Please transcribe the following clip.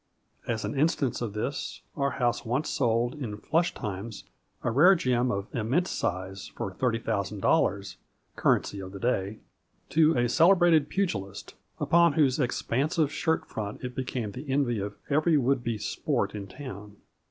As an instance of this, our house once sold in flush times a rare gem of immense size, for $30,000, currency of the day, A FLURRY IN DIAMONDS. 7 to a celebrated pugilist, upon whose expansive shirt front it became the envy of every would be 41 sport " in town.